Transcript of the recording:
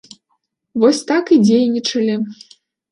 Вось так і дзейнічалі.